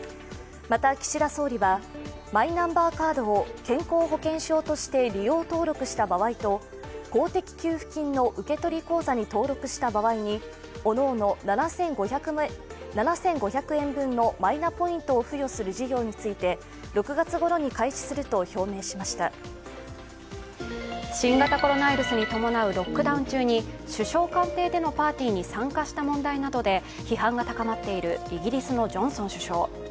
また岸田総理はマイナンバーカードを健康保険証として利用登録した場合と公的給付金の受取口座に登録した場合におのおの７５００円分のマイナポイントを付与する事業について６月ごろに開始すると表明しました新型コロナウイルスに伴うロックダウン中に首相官邸でのパーティーに参加した問題などで批判が高まっているイギリスのジョンソン首相。